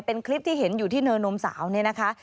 เป็นคลิปที่เห็นอยู่ที่เนินนมสาวเนี่ยนะคะ